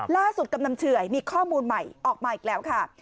กำนันเฉื่อยมีข้อมูลใหม่ออกมาอีกแล้วค่ะ